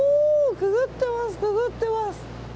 くぐってます！